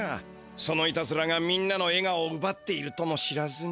そのいたずらがみんなのえがおをうばっているとも知らずに。